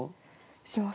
します。